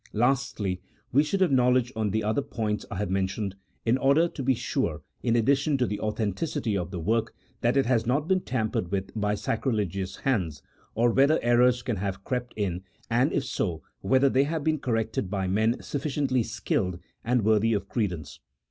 Lastly, we should have knowledge on the other points I have mentioned, in order to be sure, in addition to the authenticity of the work, that it has not been tampered with by sacrilegious hands, or whether errors can have crept in, and, if so, whether they have been corrected by men sufficiently skilled and worthy of credence.